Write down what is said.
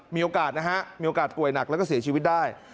มีโอกาสนะฮะมีโอกาสป่วยหนักแล้วก็เสียชีวิตได้